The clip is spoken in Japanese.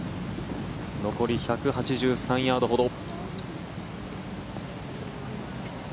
残り１８３ヤードほど。